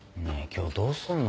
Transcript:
今日どうすんの？